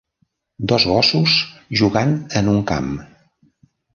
Dos gossos jugant en un camp.